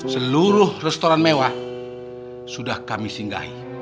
seluruh restoran mewah sudah kami singgahi